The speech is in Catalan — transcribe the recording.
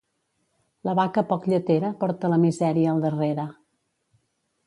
La vaca poc lletera, porta la misèria al darrere.